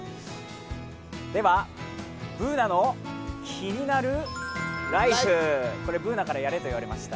では、「ＢｏｏｎａのキニナルＬＩＦＥ」これ、Ｂｏｏｎａからやれと言われました。